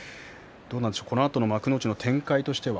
このあとの幕内の展開としては。